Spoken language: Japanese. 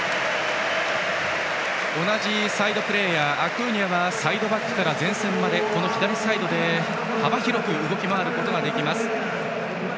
同じサイドプレーヤーアクーニャはサイドバックから前線まで左サイドで幅広く動き回れます。